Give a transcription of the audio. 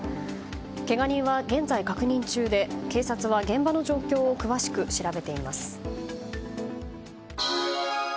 けが人は現在、確認中で警察は現場の状況を詳しく調べています。